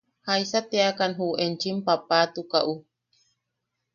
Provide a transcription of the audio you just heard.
¿Jaisa teakan ju enchim paapatukaʼu?